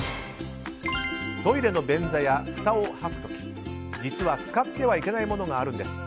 トイレの便座やふたを拭く時実は使ってはいけないものがあるんです。